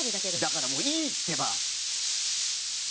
だからもういいってば！